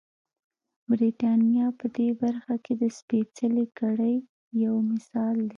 برېټانیا په دې برخه کې د سپېڅلې کړۍ یو مثال دی.